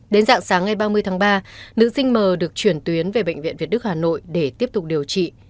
đến dạng sáng ngày ba mươi tháng ba nữ sinh m được chuyển tuyến về bệnh viện việt đức hà nội để tiếp tục điều trị